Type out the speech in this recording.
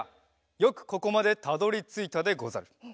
よくここまでたどりついたでござる！